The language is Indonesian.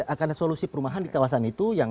akan ada solusi perumahan di kawasan itu yang